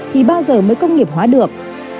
thì bao giờ mới công nghiệp hóa được